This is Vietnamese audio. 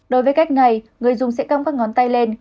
đối với cách này người dùng sẽ căng các ngón tay lên